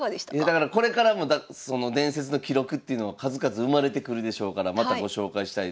だからこれからもその伝説の記録っていうのは数々生まれてくるでしょうからまたご紹介したい。